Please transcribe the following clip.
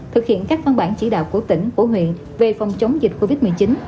thực hiện các văn bản chỉ đạo của tỉnh của huyện về phòng chống dịch covid một mươi chín